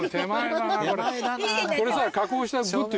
これさ。